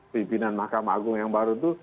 pimpinan mahkamah agung yang baru itu